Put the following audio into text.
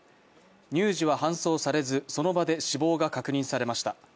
乳児は搬送されず、その場で死亡が確認されました。